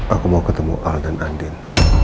aku mau ketemu al dan andin